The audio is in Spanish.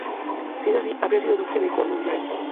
Si es así, habría sido duque de Cornualles.